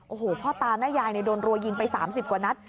โอ้โหพ่อตาแม่ยายโดนรัวยิงไป๓๐กว่านัด